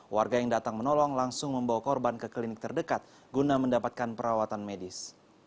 warga yang datang menolong langsung membawa korban ke klinik terdekat guna mendapatkan perawatan medis